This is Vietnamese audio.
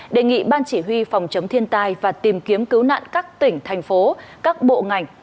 đề nghị ban chỉ huy phòng chống thiên tai và tìm kiếm cứu nạn các tỉnh thành phố các bộ ngành